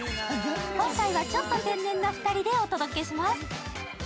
今回はちょっと天然な２人でお届けします。